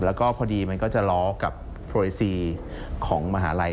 แล้วก็พอดีมันก็จะล้อกับโปรยซีของมหาลัย